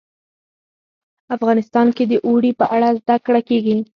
افغانستان کې د اوړي په اړه زده کړه کېږي.